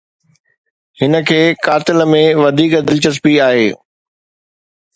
هن کي قاتل ۾ وڌيڪ دلچسپي آهي.